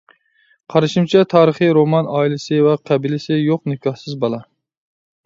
قارىشىمچە، تارىخىي رومان ئائىلىسى ۋە قەبىلىسى يوق نىكاھسىز بالا.